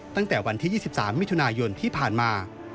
ตั้งแต่วันที่๒๓มิถุนายนที่ผ่านมา